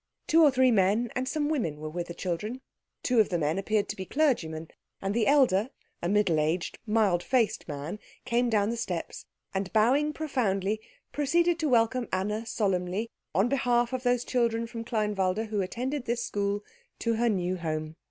Two or three men and some women were with the children. Two of the men appeared to be clergymen, and the elder, a middle aged, mild faced man, came down the steps, and bowing profoundly proceeded to welcome Anna solemnly, on behalf of those children from Kleinwalde who attended this school, to her new home.